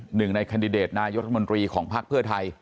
หนึ่งในคันดิเดตนายศมนตรีของพักเพื่อไทย